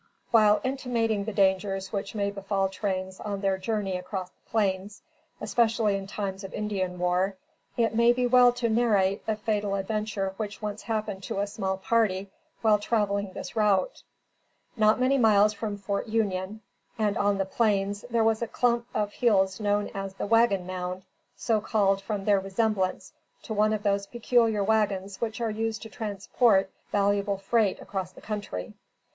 While intimating the dangers which may befall trains on their journey across the plains, especially in time of Indian war, it may be well to narrate a fatal adventure which once happened to a mail party while traveling this route. Not many miles from Fort Union, and on the plains, there is a clump of hills known as the "Wagon Mound," so called from their resemblance to one of those peculiar wagons which are used to transport valuable freight across the country.